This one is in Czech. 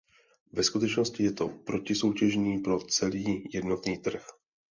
Ve skutečnosti je to protisoutěžní pro celý jednotný trh.